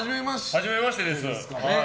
はじめましてです。